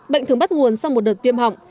bệnh thường bắt nguồn sau một đợt viêm họng